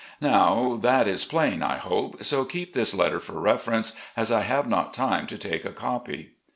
Now that is plain, I hope, so keep this letter for reference, as I have not time to take a copy.